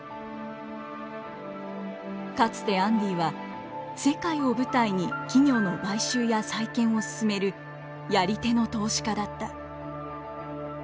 かつてアンディは世界を舞台に企業の買収や再建を進めるやり手の投資家だった。